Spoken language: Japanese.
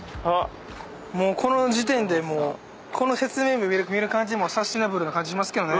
もうこの時点でこの説明文見る感じでサスティナブルな感じしますけどね。